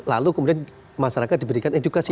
lalu kemudian masyarakat diberikan edukasi